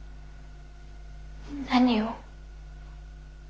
何を？